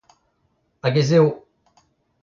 Hag ez eo !